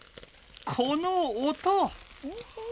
この音！